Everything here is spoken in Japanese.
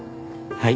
はい。